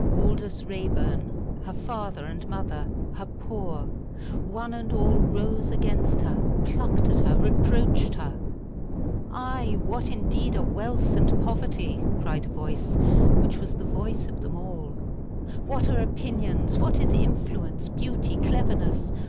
Aldous Raeburn, her father and mother, her poor one and all rose against her plucked at her reproached her. "Aye! what, indeed, are wealth and poverty?" cried a voice, which was the voice of them all; "what are opinions what is influence, beauty, cleverness?